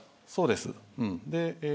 そうです。